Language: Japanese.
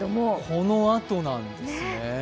このあとなんですね。